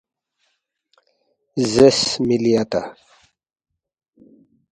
”زیرس مِلی اتا